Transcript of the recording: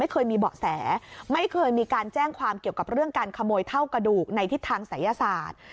เคยมีเบาะแสไม่เคยมีการแจ้งความเกี่ยวกับเรื่องการขโมยเท่ากระดูกในทิศทางศัยศาสตร์